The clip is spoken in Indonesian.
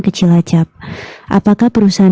kecil acap apakah perusahaan